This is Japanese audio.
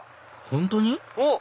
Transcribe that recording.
本当に？